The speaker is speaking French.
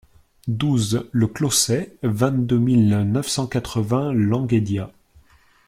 douze le Closset, vingt-deux mille neuf cent quatre-vingts Languédias